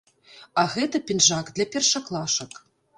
А гэта пінжак для першаклашак.